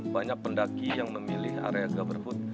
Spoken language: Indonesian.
banyak pendaki yang memilih area goverhood